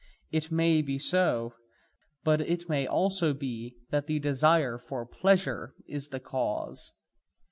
It may be so, but it may also be that the desire for pleasure is the cause.